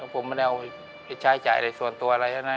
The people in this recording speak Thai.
ผมไม่ได้เอาชายจ่ายอะไรส่วนตัวอะไรนะ